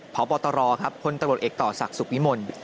พบตพตเอกต่อศักดิ์สุขวิมล